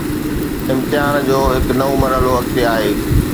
امتحان جو هڪ نئون مرحلو اڳتي آهي.